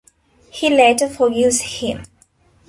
He later forgives him.